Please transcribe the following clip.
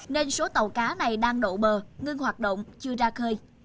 nên số tàu cá này đang đậu bờ ngưng hoạt động chưa ra khơi